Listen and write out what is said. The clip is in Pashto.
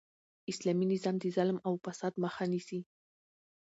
اسلامي نظام د ظلم او فساد مخ نیسي.